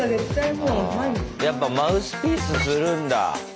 やっぱマウスピースするんだ。